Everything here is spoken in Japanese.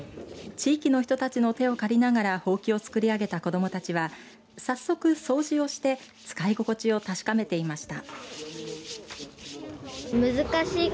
地域の人たちの手を借りながらほうきを作り上げた子どもたちは早速、掃除をして使い心地を確かめていました。